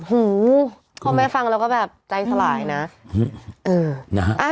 หูพ่อแม่ฟังแล้วก็แบบใจสลายนะ